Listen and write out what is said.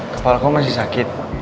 kepalaku masih sakit